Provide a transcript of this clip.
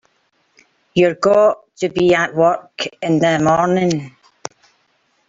You've got to be at work in the morning.